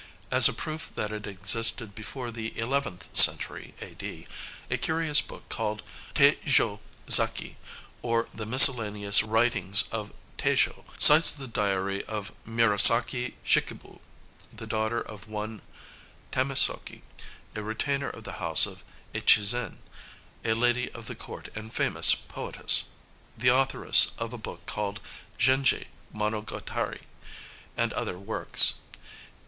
As a proof that it existed before the eleventh century, A.D., a curious book called "Teijô Zakki," or the Miscellaneous Writings of Teijô, cites the diary of Murasaki Shikibu, the daughter of one Tamésoki, a retainer of the house of Echizen, a lady of the court and famous poetess, the authoress of a book called "Genji mono gatari," and other works.